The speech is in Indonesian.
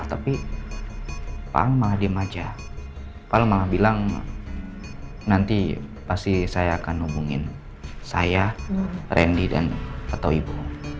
tapi pak al malah diem aja pak al malah bilang nanti pasti saya akan hubungin saya randy atau ibu